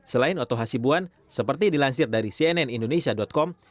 selain oto hasibuan seperti dilansir dari cnnindonesia com